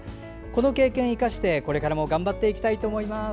この経験を生かしてこれからも頑張っていきたいと思います。